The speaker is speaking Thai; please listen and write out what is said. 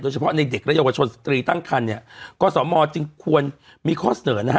เฉพาะในเด็กและเยาวชนสตรีตั้งคันเนี่ยก็สมจึงควรมีข้อเสนอนะฮะ